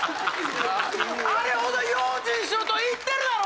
あれほど用心しろと言ってるだろ！